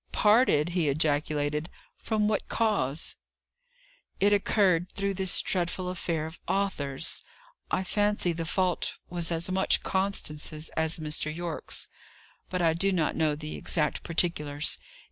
"Parted!" he ejaculated. "From what cause?" "It occurred through this dreadful affair of Arthur's. I fancy the fault was as much Constance's as Mr. Yorke's, but I do not know the exact particulars.